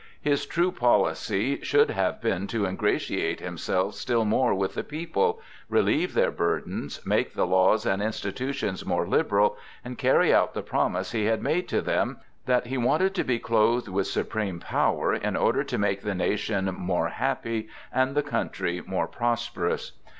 His true policy should have been to ingratiate himself still more with the people, relieve their burdens, make the laws and institutions more liberal, and carry out the promise he had made to them, that he wanted to be clothed with supreme power in order to make the nation more happy and the country more prosperous.